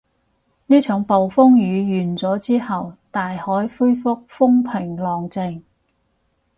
呢場暴風雨完咗之後，大海回復風平浪靜